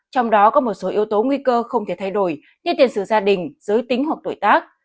trong đó có một số yếu tố nguy cơ không thể thay đổi như tiền sử gia đình giới tính hoặc tuổi tác